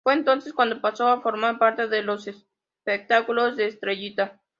Fue entonces cuando pasó a formar parte de los espectáculos de Estrellita.